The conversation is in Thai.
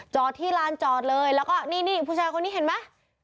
จอดที่ลานจอดเลยแล้วก็นี่ผู้ชายคนนี้เห็นไหม